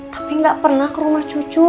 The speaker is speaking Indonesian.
tapi gak pernah ke rumah cucu